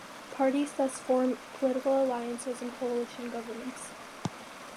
Parties thus form political alliances and coalition governments.